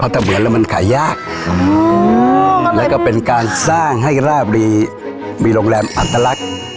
ถ้าเหมือนแล้วมันขายยากแล้วก็เป็นการสร้างให้ราบรีมีโรงแรมอัตลักษณ์